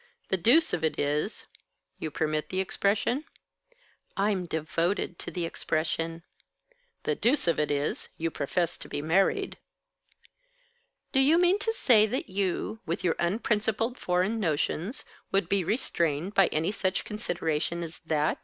The deuce of it is You permit the expression?" "I'm devoted to the expression." "The deuce of it is, you profess to be married." "Do you mean to say that you, with your unprincipled foreign notions, would be restrained by any such consideration as that?"